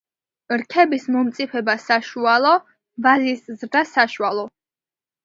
რქების მომწიფება საშუალო, ვაზის ზრდა საშუალო.